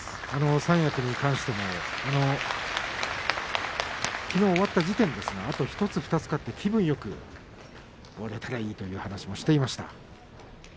三役についてもきのう終わった時点であと１つ２つ勝って気分よくいけたらいいということを話していました。